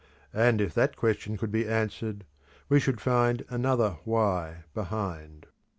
And if that question could be answered; we should find another why behind.